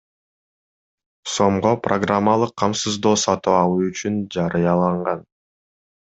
сомго программалык камсыздоо сатып алуу үчүн жарыяланган.